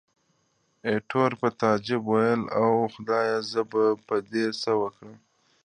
ایټور په تعجب وویل، اوه خدایه! زه به په دې څه وکړم.